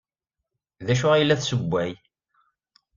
D acu ay la tessewway?